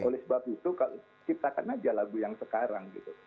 oleh sebab itu ciptakan aja lagu yang sekarang gitu